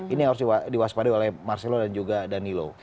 ini yang harus diwaspadai oleh marcelo dan juga danilo